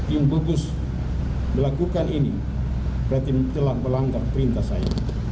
yang bagus melakukan ini berarti telah melanggar perintah saya